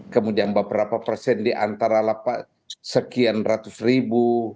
kemudian beberapa persen di antara lapak sekian ratus ribu